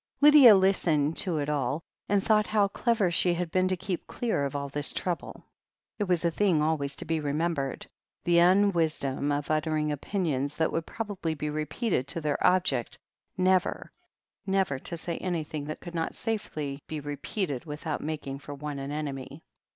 Lydia listened to it all, and thought how clever she had been to keep clear of all this Rouble. It v^as a thing always to be remembered — ^the unwis dom of uttering opinions that would probably be re peated to their object — ^never, never to say anything that could not be safely repeated without making for one an enemy.